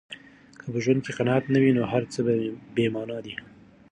که په ژوند کې قناعت نه وي، نو هر څه بې مانا دي.